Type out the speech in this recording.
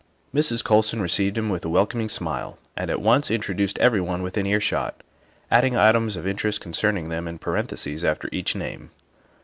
Mrs. Colson received him with a welcoming smile and at once introduced everyone within earshot, adding items of interest concerning them in parenthesis after each name.